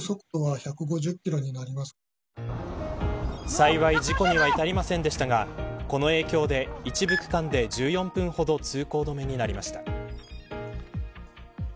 幸い事故には至りませんでしたがこの影響で一部区間で１４分ほど通行止めになりました。